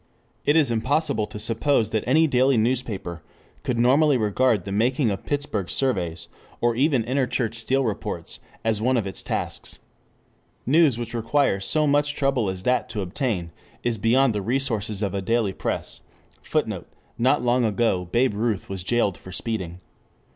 It is impossible to suppose that any daily newspaper could normally regard the making of Pittsburgh Surveys, or even Interchurch Steel Reports, as one of its tasks. News which requires so much trouble as that to obtain is beyond the resources of a daily press. [Footnote: Not long ago Babe Ruth was jailed for speeding.